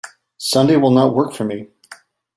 Sunday will not work for me.